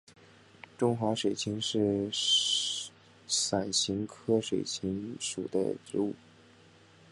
中华水芹是伞形科水芹属的植物。